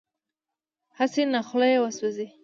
هسې نه خوله یې وسېزي.